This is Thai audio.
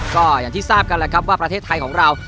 ก็อย่างที่ทราบกันแล้วครับว่าประเทศไทยของเรา